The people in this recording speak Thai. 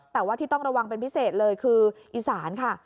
แต่ว่าที่ต้องระวังเป็นพิเศษเลยคืออีสานค่ะ